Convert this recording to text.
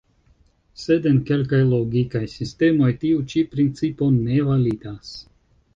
Sed en kelkaj logikaj sistemoj tiu ĉi principo ne validas.